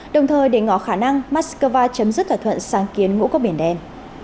đồng thời để ngỏ khả năng moscow chấm dứt thỏa thuận sang kiến ngũ các biển đen